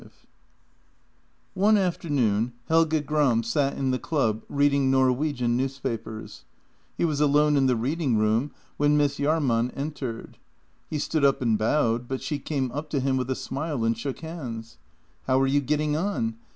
V O NE afternoon Helge Gram sat in the club reading Norwegian newspapers. He was alone in the read ing room when Miss Jahrman entered. He stood up and bowed, but she came up to him with a smile and shook hands: "How are you getting on?